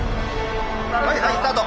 はいはいスタート。